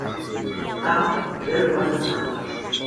Now, There Was a Song!